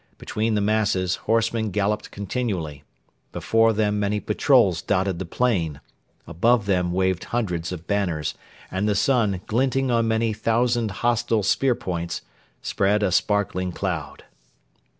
Between the masses horsemen galloped continually; before them many patrols dotted the plain; above them waved hundreds of banners, and the sun, glinting on many thousand hostile spear points, spread a sparkling cloud.